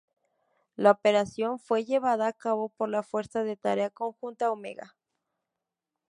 La operación fue llevada a cabo por la Fuerza de Tarea Conjunta Omega.